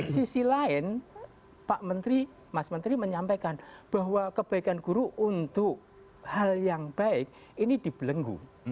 sisi lain pak menteri mas menteri menyampaikan bahwa kebaikan guru untuk hal yang baik ini dibelenggu